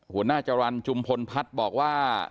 หัวหน้าจรรย์จุมพลพัฒน์บอกว่า